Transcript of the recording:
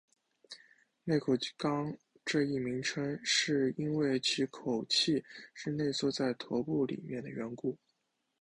内口纲这一名称是因为其口器是内缩在头部里面的缘故。